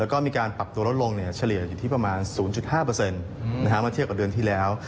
แล้วก็มีการปรับตัวลดลงอยู่ที่๐๕มาเทียบกว่าเดือนที่แล้ว